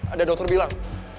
ada dokter bilang